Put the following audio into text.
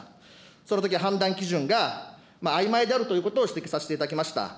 そのとき判断基準があいまいであるということを指摘させていただきました。